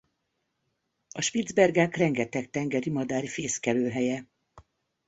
A Spitzbergák rengeteg tengeri madár fészkelőhelye.